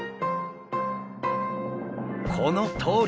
このとおり！